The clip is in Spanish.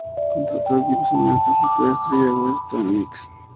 Contrató a Gibson y a otra futura estrella del western, Tom Mix.